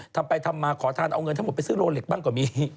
ทำไปทำมาขอทานเอาเงินทั้งหมดไปซื้อโลเล็กบ้างก็มี